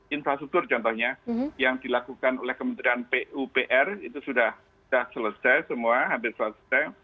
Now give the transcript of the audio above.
infrastruktur contohnya yang dilakukan oleh kementerian pupr itu sudah selesai semua hampir selesai